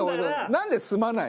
なんで住まないの？